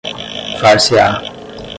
far-se-á